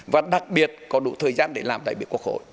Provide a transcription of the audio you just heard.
và đặc biệt có đủ thời gian để làm đại biểu quốc hội